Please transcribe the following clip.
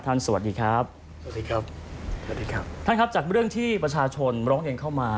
ท่านครับจากเรื่องที่ประชาชนร้องเรียนเข้ามา